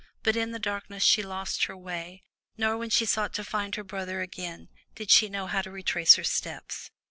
But in the darkness, she lost her way, nor when she sought to find her brother again, did she know how to retrace her steps.